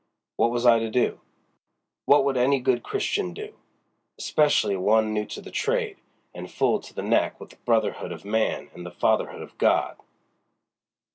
What was I to do? What would any good Christian do, especially one new to the trade and full to the neck with the brotherhood of Man and the fatherhood of God?"